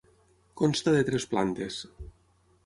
Consta de tres plantes.